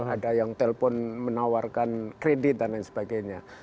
ada yang telpon menawarkan kredit dan lain sebagainya